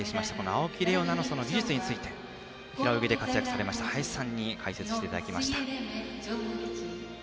青木玲緒樹の技術について平泳ぎで活躍されました林さんに解説していただきました。